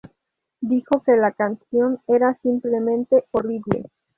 Dijo que la canción era "simplemente horrible.